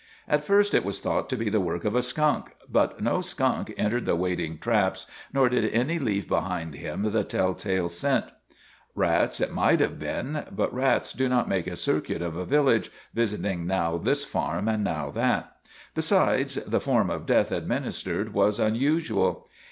At first it was thought to be the work of a skunk, but no skunk entered the waiting traps, nor did any leave behind him the telltale scent. Rats it might have been ; but rats do not make a circuit of a village, visiting now this farm and now that. Besides, the form of death administered was unusual.